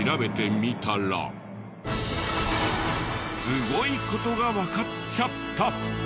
すごい事がわかっちゃった！